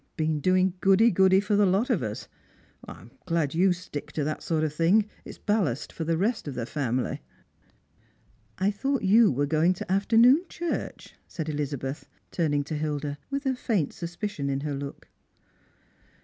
•' Been doing goody goody for the lot of us. I'm glad you Btick to that sort of thing. It's ballast for the rest of the family." " I thought you were going to afternoon church," said Ehza beth, turning to Hilda, with a faint suspicion in her look.